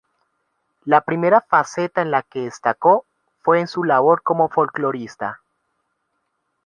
La primera faceta en la que destacó fue en su labor como folclorista.